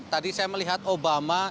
tadi saya melihat obama